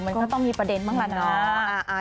มันก็ต้องมีประเด็นบ้างล่ะเนาะ